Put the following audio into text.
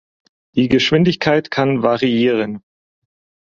Die Geschwindigkeit kann variieren.